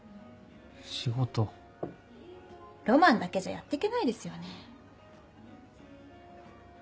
ロマンだけじゃやってけないですよね。